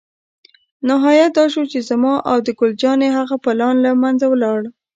نهایت دا شو چې زما او د ګل جانې هغه پلان له منځه ولاړ.